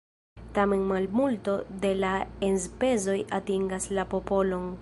Tamen malmulto de la enspezoj atingas la popolon.